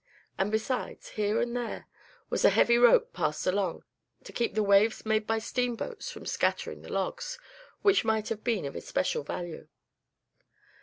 And besides, here and there was a heavy rope passed along, to keep the waves made by steamboats from scattering the logs, which might have been of especial value.